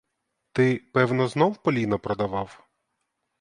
Ти, певно, знов поліна продавав?